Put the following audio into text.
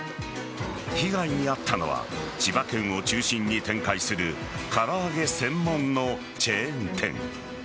被害に遭ったのは千葉県を中心に展開する唐揚げ専門のチェーン店。